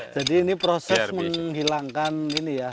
jadi ini proses menghilangkan ini ya